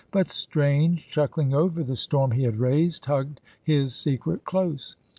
But Strange, chuckling over the storm he had raised, hugged his secret close.